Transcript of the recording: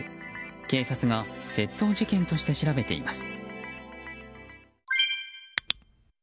警察が窃盗事件として調べています。